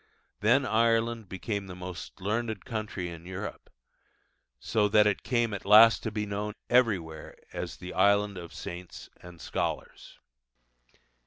Then Ireland became the most learned country in Europe, so that it came at last to be known everywhere as 'The Island of Saints and Scholars.